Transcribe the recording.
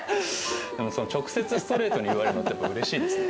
直接ストレートに言われるのってやっぱうれしいですね。